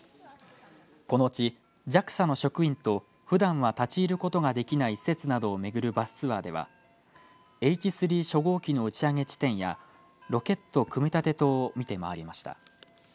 このうちＪＡＸＡの職員とふだんは立ち入ることができない施設などを巡るバスツアーではＨ３初号機の打ち上げ地点やロケット組み立て棟を見て回りました。